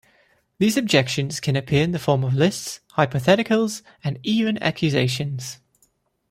These objections can appear in the form of lists, hypotheticals, and even accusations.